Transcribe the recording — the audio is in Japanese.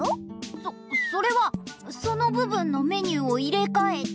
そそれはそのぶぶんのメニューをいれかえて。